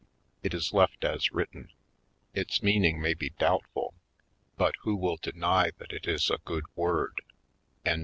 It is left as written. Its meaning may be doubt ful but who will deny that it is a good word^ 236